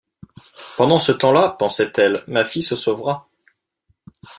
Pendant ce temps-là, pensait-elle, ma fille se sauvera.